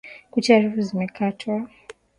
Kucha refu zimekatwa.